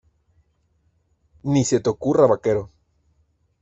¡ Ni se te ocurra, vaquero!